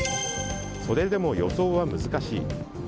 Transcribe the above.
それでも予想は難しい。